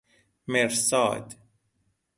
مرصاد